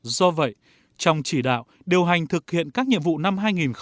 do vậy trong chỉ đạo điều hành thực hiện các nhiệm vụ năm hai nghìn một mươi chín